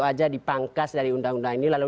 aja dipangkas dari undang undang ini lalu